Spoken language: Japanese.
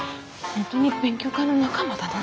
本当に勉強会の仲間。